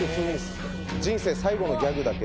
人生最後のギャグだけ。